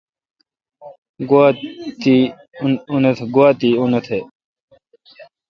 گوا تی انتھ۔